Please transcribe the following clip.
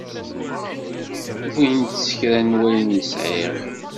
Wwint s kra n wayen sɛiɣ.